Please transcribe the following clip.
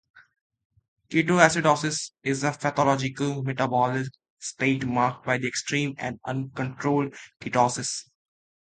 Ketoacidosis is a pathological metabolic state marked by extreme and uncontrolled ketosis.